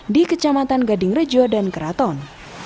di kecamatan gadingrejo dan keraton